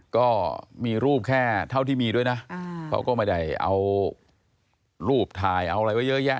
ก็มีรูปแค่เท่าที่มีด้วยนะเขาก็ไม่ได้เอารูปถ่ายเอาอะไรไว้เยอะแยะ